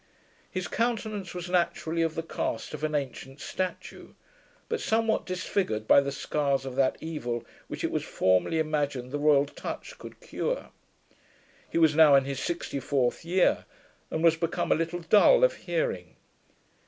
His countenance was naturally of the craft of an ancient statue, but somewhat disfigured by the scars of that evil, which, it was formerly imagined, the royal touch could cure. He was now in his sixty fourth year, and was become a little dull of hearing.